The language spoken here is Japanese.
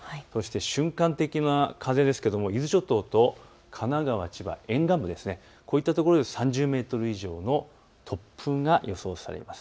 瞬間的な風ですが伊豆諸島と神奈川、千葉、沿岸部、こういったところで３０メートル以上の突風が予想されています。